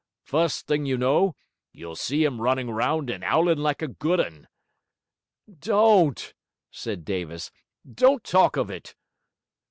Fust thing, you know, you'll see him running round and owling like a good un...' 'Don't!' said Davis. 'Don't talk of it!'